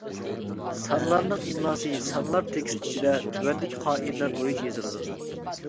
سانلارنىڭ ئىملاسى سانلار تېكىست ئىچىدە تۆۋەندىكى قائىدىلەر بويىچە يېزىلىدۇ.